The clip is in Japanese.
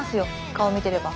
顔見てれば。